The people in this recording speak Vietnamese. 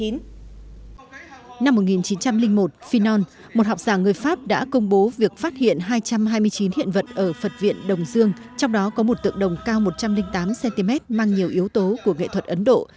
năm một nghìn chín trăm linh một phinon một học giảng người pháp đã công bố việc phát hiện hai trăm hai mươi chín hiện vật ở phật viện đồng dương trong đó có một tượng đồng cao một trăm linh tám cm mang nhiều yếu tố của nghệ thuật ấn độ